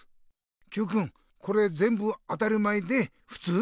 Ｑくんこれぜんぶ当たり前でふつう？